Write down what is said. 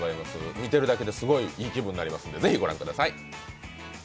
見てるだけですごいいい気分になりますので、ぜひ御覧ください。